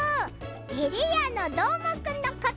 てれやのどーもくんのこと！